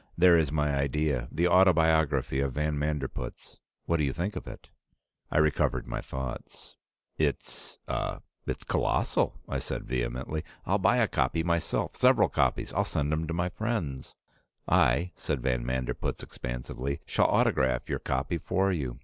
"There is my idea. The autobiography of van Manderpootz. What do you think of it?" I recovered my thoughts. "It's uh it's colossal!" I said vehemently. "I'll buy a copy myself. Several copies. I'll send 'em to my friends." "I," said van Manderpootz expansively, "shall autograph your copy for you.